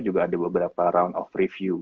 juga ada beberapa round of review